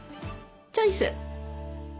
チョイス！